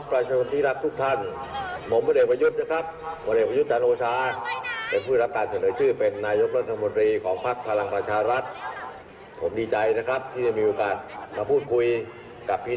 เราคุยกับพี่น้องคนชนของเราใดกว่านี้